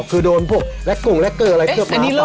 คือโดนพวกแร็กกรุงแร็กเกอร์อะไรเคลือบมาหรือเปล่า